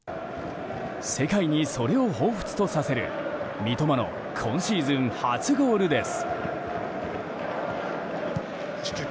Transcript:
世界に、それをほうふつとさせる三笘の今シーズン初ゴールです。